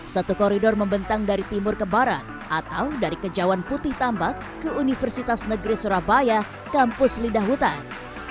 satu koridor membentang dari timur ke barat atau dari kejauhan putih tambak ke universitas negeri surabaya kampus lidah hutan